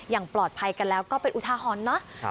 อย่างปลอดภัยกันแล้วก็เป็นอุทาหรณ์เนาะ